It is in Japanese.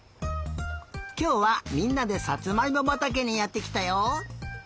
きょうはみんなでサツマイモばたけにやってきたよ。